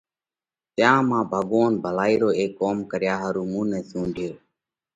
تيام ڀڳوونَ ڀلائِي رو اي ڪوم ڪريا ۿارُو مُون نئہ سُونڍيوھ۔